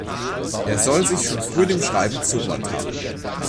Er soll sich schon früh dem Schreiben zugewandt haben.